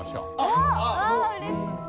おっ。わうれしい。